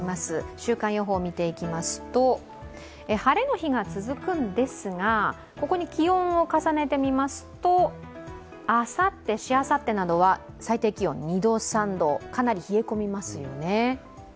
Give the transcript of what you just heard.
週間予報を見ていきますと、晴れの日が続くんですが、ここに気温を重ねてみますと、あさって、しあさってなどは最低気温２度、３度かなり冷え込みますよね。